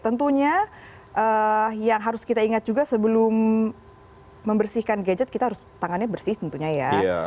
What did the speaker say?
tentunya yang harus kita ingat juga sebelum membersihkan gadget kita harus tangannya bersih tentunya ya